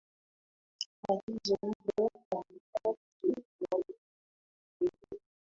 Agizo hilo halifwatwi na mtu yeyote